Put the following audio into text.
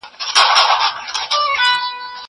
زه اجازه لرم چي پوښتنه وکړم!